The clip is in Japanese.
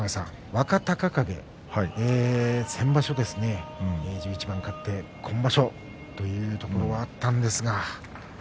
若隆景、先場所一番勝って今場所というところもあったんですが。